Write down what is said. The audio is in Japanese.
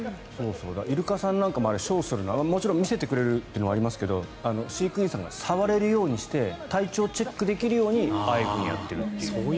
イルカさんなんかもショーするのは見せてくれるというのもありますが、飼育員さんが触れるようにして体調をチェックできるようにああいうふうにしているという。